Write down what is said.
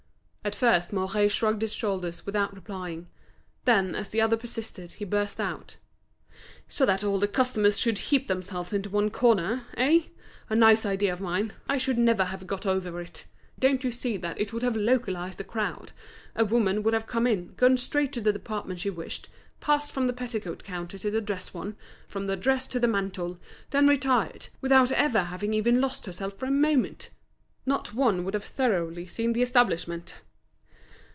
At first Mouret shrugged his shoulders without replying. Then as the other persisted, he burst out: "So that all the customers should heap themselves into one corner—eh? A nice idea of mine! I should never have got over it! Don't you see that it would have localised the crowd. A woman would have come in, gone straight to the department she wished, passed from the petticoat counter to the dress one, from the dress to the mantle, then retired, without ever having even lost herself for a moment! Not one would have thoroughly seen the establishment!"